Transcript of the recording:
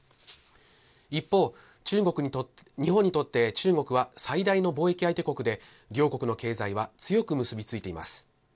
一方、日本にとって中国は最大の貿易相手国で両国の経済は強く結び付いています。